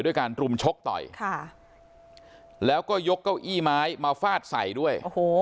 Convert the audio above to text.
ด้วยการกลุ่มชกต่อยแล้วก็ยกเก้าอี้ไม้มาฟาดใส่ด้วย